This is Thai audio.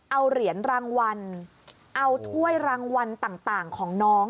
เอาเหรียญรางวัลเอาถ้วยรางวัลต่างของน้อง